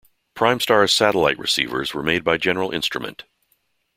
Primestar's satellite receivers were made by General Instrument.